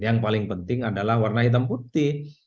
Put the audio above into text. yang paling penting adalah warna hitam putih